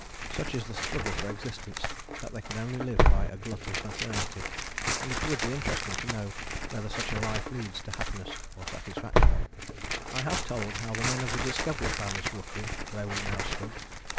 Such is the struggle for existence that they can only live by a glut of maternity, and it would be interesting to know whether such a life leads to happiness or satisfaction. I have told how the men of the Discovery found this rookery where we now stood.